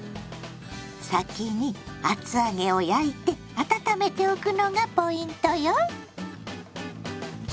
先に厚揚げを焼いて温めておくのがポイントよ。